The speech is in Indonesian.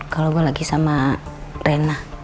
kalau gue lagi sama rena